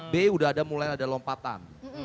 b udah ada mulai ada lompatan